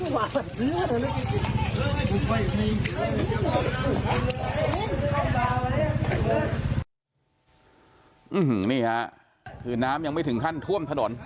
หื้มหื้มนี่ฮะคือน้ำยังไม่ถึงขั้นท่วมถนน